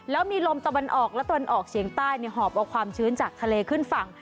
แล้วมีลมตะวันออกและตะวันออกเฉียงใต้หอบเอาความชื้นจากทะเลขึ้นฝั่ง